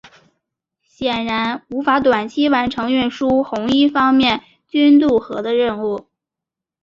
显然无法短期完成运输红一方面军渡河任务。